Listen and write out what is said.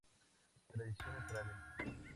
Tradiciones orales.